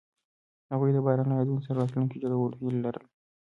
هغوی د باران له یادونو سره راتلونکی جوړولو هیله لرله.